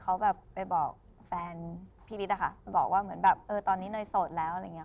เขาแบบไปบอกแฟนพี่วิทย์อะค่ะบอกว่าเหมือนแบบเออตอนนี้เนยโสดแล้วอะไรอย่างเงี้